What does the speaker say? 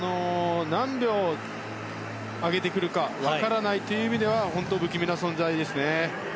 何秒上げてくるか分からないという意味では本当、不気味な存在ですね。